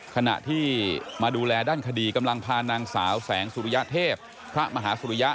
ขณะที่มาดูแลด้านคดีกำลังพานางสาวแสงสุริยเทพพระมหาสุริยะ